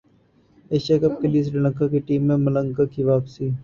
Asia cup کیلئے سری لنکا کی team میں ملنگا کی واپسی